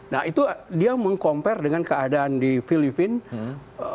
nah itu dia mengkompare dengan keadaan di filipina